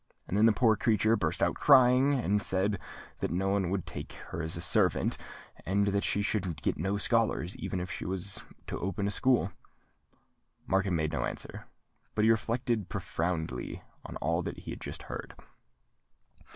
And then the poor creature burst out crying, and said, that no one would take her as a servant, and that she should get no scholars even if she was to open a school." Markham made no answer; but he reflected profoundly on all that he had just heard.